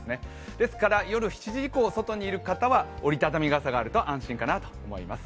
ですから、夜７時以降外にいる方は折りたたみ傘があると安心かなという感じです。